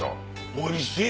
おいしい！